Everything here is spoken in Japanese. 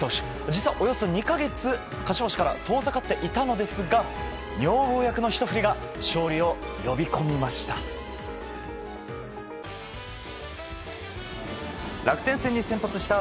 実はおよそ２か月勝ち星から遠ざかっていたのですが女房役のひと振りが勝利を呼び込みました。